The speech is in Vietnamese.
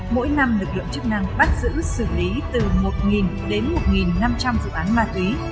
mỗi năm lực lượng chức năng bắt giữ xử lý từ một đến một năm trăm linh dự án ma túy